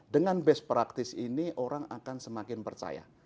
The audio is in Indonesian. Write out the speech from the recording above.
dengan best practice ini orang akan semakin percaya